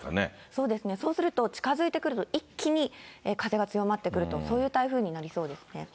そうですね、そうすると近づいてくると一気に風が強まってくると、そういう台風になりそうですね。